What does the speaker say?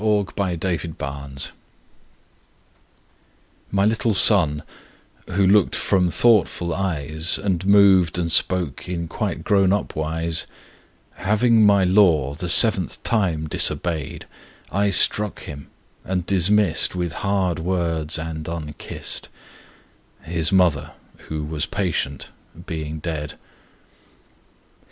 Coventry Patmore The Toys MY little son, who looked from thoughtful eyes And moved and spoke in quite grown up wise, Having my law the seventh time disobeyed, I struck him and dismissed With hard words and unkissed, His Mother, who was patient, being dead.